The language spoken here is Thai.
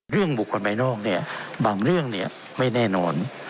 เรื่องบุคคลไปนอกบางเรื่องไม่แน่นอน